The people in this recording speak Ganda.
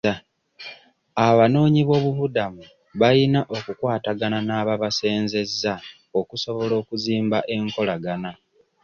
Abanoonyiboobubudamu bayina okukwatagaana n'ababasenzezza okusobola okuzimba ekolagana.